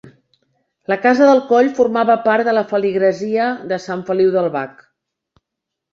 La Casa del Coll formava part de la feligresia de Sant Feliu del Bac.